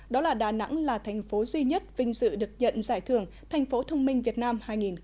đó là đà nẵng là thành phố duy nhất vinh dự được nhận giải thưởng thành phố thông minh việt nam hai nghìn một mươi chín